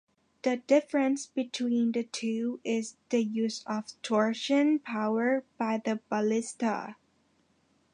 The difference between the two is the use of torsion power by the ballista.